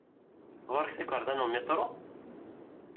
Ɣur-k takarḍa n umitṛu?